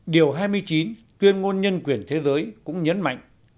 điều hai mươi chín tuyên ngôn nhân quyền thế giới cũng nhấn mạnh